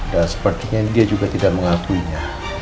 dan sepertinya dia juga tidak mengakuinya